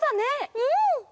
うん！